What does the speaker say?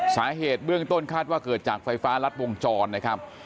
สาเหตุเบื้องต้นคาดว่าเกิดจากไฟฟ้ารัดวงจรนะครับ